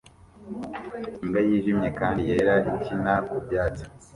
Imbwa yijimye kandi yera ikina ku byatsi